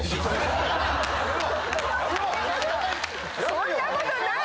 そんなことないよ！